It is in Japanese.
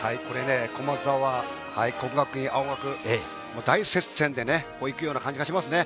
駒澤、國學院、青学、大接戦で行くような感じがしますね。